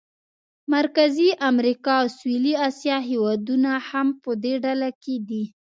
مرکزي امریکا او سویلي اسیا هېوادونه هم په دې ډله کې دي.